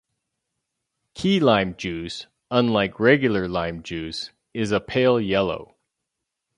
Key lime juice, unlike regular lime juice, is a pale yellow.